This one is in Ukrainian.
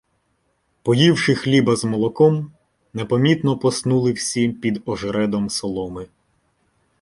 Поївши хліба з молоком, непомітно поснули всі під ожередом соломи.